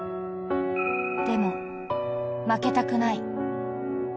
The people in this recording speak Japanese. でも負けたくない。